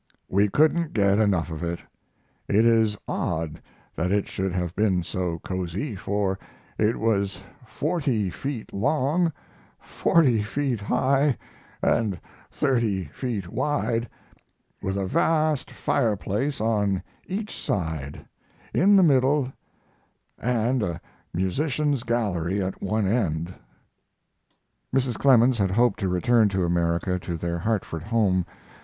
We couldn't get enough of it. It is odd that it should have been so cozy, for it was 40 feet long, 40 feet high, and 30 feet wide, with a vast fireplace on, each side, in the middle, and a musicians' gallery at one end. Mrs. Clemens had hoped to return to America, to their Hartford home.